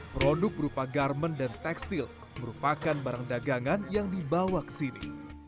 produk berupa garmen dan tekstil merupakan barang dagangan yang dibawa ke sini